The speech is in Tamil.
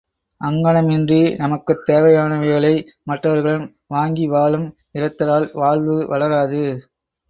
அங்ஙணமின்றி நமக்குத் தேவையானவைகளை மற்றவர்களிடம் வாங்கி வாழும் இரத்தலால் வாழ்வு வளராது.